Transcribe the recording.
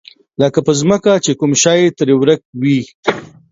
لکه په ځمکه چې کوم شی ترې ورک وي.